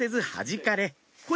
これ？